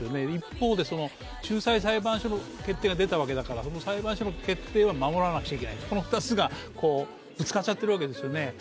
一方で、仲裁裁判所の決定が出たわけだから、裁判所の決定は守らなくちゃいけない、この２つがぶつかっちゃってるわけですよね。